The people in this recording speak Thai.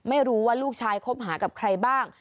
ไม่รู้ว่าลูกชายคบหากับใครบ้าง